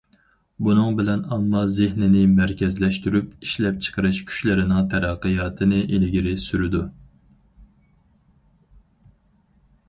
بۇنىڭ بىلەن ئامما زېھنىنى مەركەزلەشتۈرۈپ، ئىشلەپچىقىرىش كۈچلىرىنىڭ تەرەققىياتىنى ئىلگىرى سۈرىدۇ.